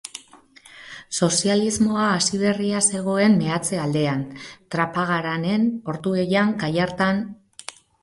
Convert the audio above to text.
Sozialismoa hasi berria zegoen meatze-aldean, Trapagaranen, Ortuellan, Gallartan.